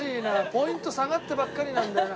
ポイント下がってばっかりなんだよな。